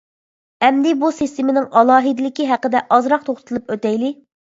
ئەمدى بۇ سىستېمىنىڭ ئالاھىدىلىكى ھەققىدە ئازراق توختىلىپ ئۆتەيلى.